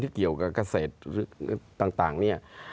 เกี่ยวกับเกษตรต่างเนี่ย